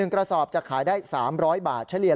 กระสอบจะขายได้๓๐๐บาทเฉลี่ย